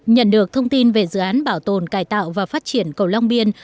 nhận được thông tin về dự án bảo tồn cải tạo và phát triển cầu long biên